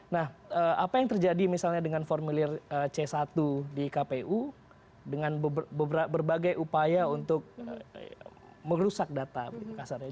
nah apa yang terjadi misalnya dengan formulir c satu di kpu dengan berbagai upaya untuk merusak data begitu kasarnya